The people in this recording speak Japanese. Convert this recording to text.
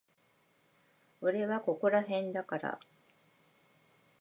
俺はここらへんだから。